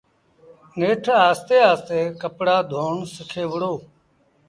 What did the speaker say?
نيٺ آهستي آهستي ڪپڙآ ڌون سکي وُهڙو۔